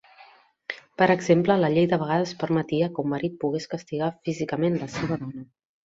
Per exemple, la llei de vegades permetia que un marit pogués castigar físicament la seva dona.